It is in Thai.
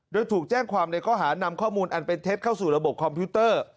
โดยถูกแจ้งความในข้อหานำข้อมูลอันเป็นเท็จเข้าสู่ระบบคอมพิวเตอร์